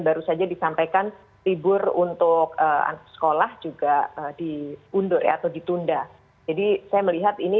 baru saja disampaikan libur untuk anak sekolah juga diundur atau ditunda jadi saya melihat ini